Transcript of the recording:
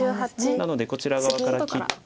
なのでこちら側から切って。